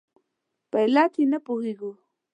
په علت یې نه پوهېږو.